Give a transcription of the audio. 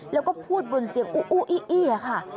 แล้วก็พูดบนเสียงอู้อี้อี้ค่ะ